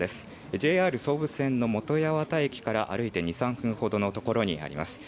ＪＲ総武線の本八幡駅から歩いて２３分ほどのところにあります。